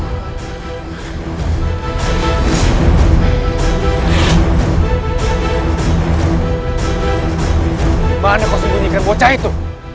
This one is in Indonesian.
dimana kau sembunyikan bocah itu